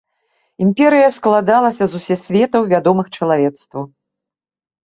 Імперыя складалася з усе светаў, вядомых чалавецтву.